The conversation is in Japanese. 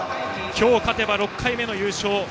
今日、勝てば６回目の優勝。